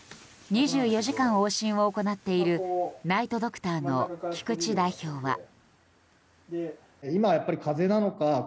２４時間往診を行っているナイトドクターの菊地代表は。